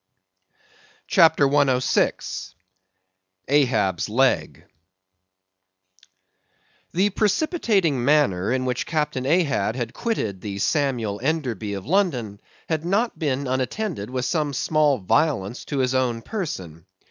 CHAPTER 106. Ahab's Leg. The precipitating manner in which Captain Ahab had quitted the Samuel Enderby of London, had not been unattended with some small violence to his own person.